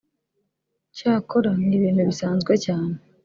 cyakora ni ibintu bisanzwe cyane”